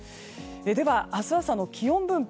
では、明日朝の気温分布。